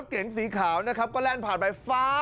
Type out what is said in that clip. รถเก๋งสีขาวแร่นผ่านไปฟ้า